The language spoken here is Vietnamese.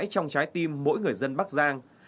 trong trái tim mỗi người dân bắc giang